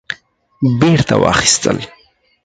بیرته واخیستل